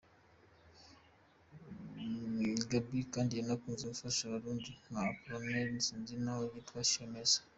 Gaby kandi yanakunze gufasha n’abarundi nka Appolonaire n’itsinda ryaho ryitwa Shemeza.